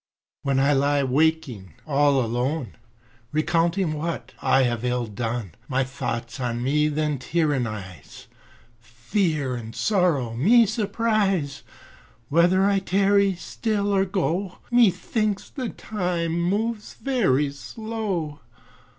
When I lie waking all alone, Recounting what I have ill done, My thoughts on me then tyrannise, Fear and sorrow me surprise, Whether I tarry still or go, Methinks the time moves very slow.